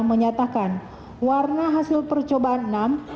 menyatakan warna hasil percobaan enam